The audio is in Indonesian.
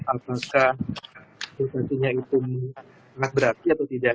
apakah situasinya itu sangat berarti atau tidak